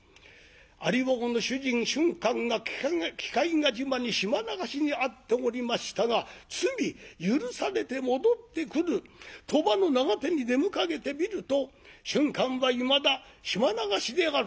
有王の主人俊寛が鬼界ヶ島に島流しに遭っておりましたが罪許されて戻ってくる鳥羽の長手に出迎えてみると俊寛はいまだ島流しである。